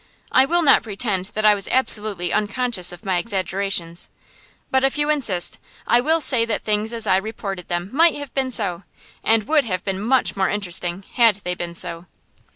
I will not pretend that I was absolutely unconscious of my exaggerations; but if you insist, I will say that things as I reported them might have been so, and would have been much more interesting had they been so.